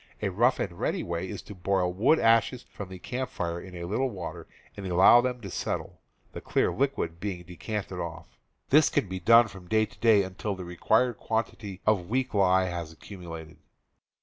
A rough and ready way is to boil wood ashes from the ,;, Tjr ]r' camp fire in a little water and allow them ^^* to settle, the clear liquid being decanted off; this can be done from day to day until the required quantity of weak lye has accumulated.